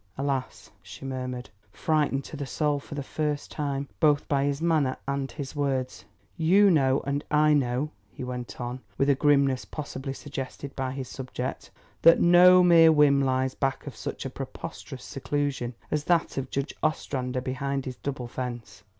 "Alas!" she murmured, frightened to the soul for the first time, both by his manner and his words. "You know and I know," he went on with a grimness possibly suggested by his subject, "that no mere whim lies back of such a preposterous seclusion as that of Judge Ostrander behind his double fence.